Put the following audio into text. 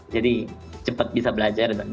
jadi cepat bisa belajar